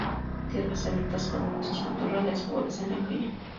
Tierras abiertas con densos matorrales favorecen la cría.